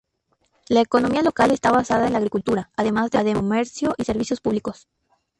La economía local está basada en la agricultura, además del comercio y servicios públicos.